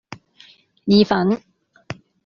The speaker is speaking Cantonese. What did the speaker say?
意粉